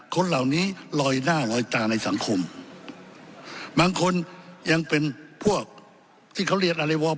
คนเหล่านี้ลอยหน้าลอยตาในสังคมบางคนยังเป็นพวกที่เขาเรียนอะไรวอล